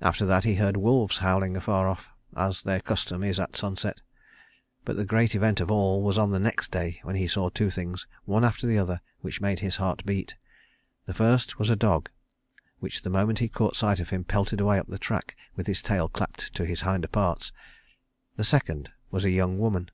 After that he heard wolves howling afar off, as their custom is at sunset. But the great event of all was on the next day, when he saw two things, one after the other, which made his heart beat. The first was a dog, which the moment he caught sight of him pelted away up the track with his tail clapped to his hinder parts; the second was a young woman.